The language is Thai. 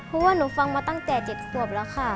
เพราะว่าหนูฟังมาตั้งแต่๗ขวบแล้วค่ะ